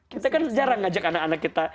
kita kan jarang ngajak anak anak kita